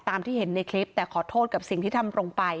ที่เห็นในคลิปแต่ขอโทษกับสิ่งที่ทำลงไป